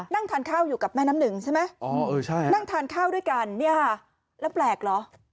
นั่งทานข้าวอยู่กับแม่น้ำหนึ่งใช่ไหมนั่งทานข้าวด้วยกันเนี่ยค่ะแล้วแปลกเหรอ